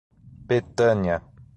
Betânia